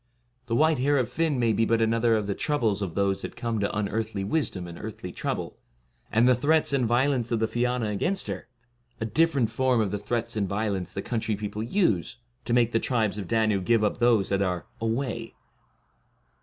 The white hair of Fionn may be but another of the troubles of those that come to unearthly wisdom and earthly trouble, and the threats and violence of the Fiana against her, a differ ent form of the threats and violence the coun try people use, to make the Tribes of Danu give up those that are * away.